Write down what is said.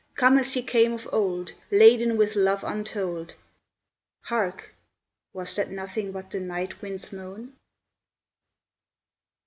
Come as ye came of old Laden with love untold "— Hark ! was that nothing but the night wind's moan